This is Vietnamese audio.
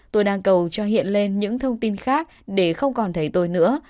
tôi đang cầu cho hiện lên những thông tin khác để không còn thấy tôi nữa